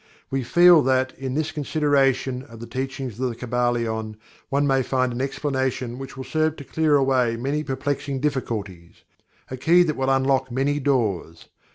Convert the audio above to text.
We feel that in this consideration of the teachings of The Kybalion, one may find an explanation which will serve to clear away many perplexing difficulties a key that will unlock many doors.